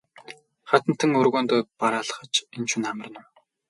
Хатантан өргөөндөө бараалхаж энэ шөнө амарна уу?